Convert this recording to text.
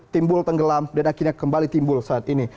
timbul tenggelam dan akhirnya kembali timbul saat ini